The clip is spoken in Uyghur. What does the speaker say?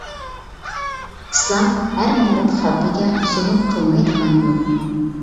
ئىسلام ھەر مىللەت خەلقىگە زۇلۇم قىلمايدىغان يول.